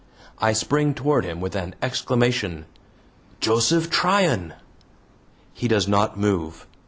I spring toward him with an exclamation: "Joseph Tryan!" He does not move.